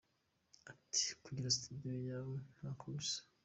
Ati “ Kugira studio yawe ntako bisa.